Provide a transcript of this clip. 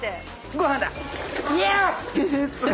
ご飯だ！